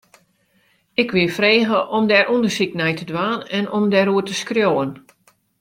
Ik wie frege om dêr ûndersyk nei te dwaan en om dêroer te skriuwen.